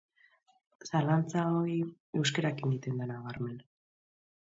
Zalantza hori batez ere euskararekin egiten da nabarmena.